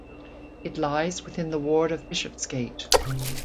It lies within the ward of Bishopsgate.